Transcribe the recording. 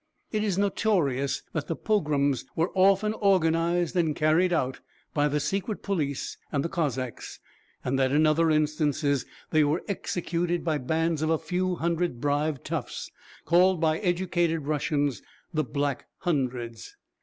It is notorious that the pogroms were often organised and carried out by the secret police and the cossacks, and that in other instances they were executed by bands of a few hundred bribed toughs, called by educated Russians "the black hundreds."